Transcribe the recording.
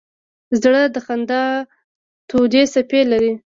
زړه د خندا تودې څپې لري.